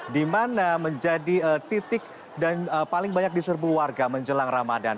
di mana menjadi titik dan paling banyak diserbu warga menjelang ramadan